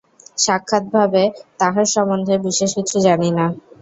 সাক্ষাৎভাবে তাঁহার সম্বন্ধে বিশেষ কিছু জানি না।